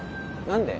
何で？